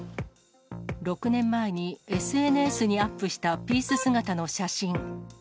６年前にＳＮＳにアップしたピース姿の写真。